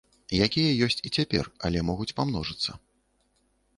Якія ёсць і цяпер, але могуць памножыцца.